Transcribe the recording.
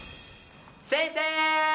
先生！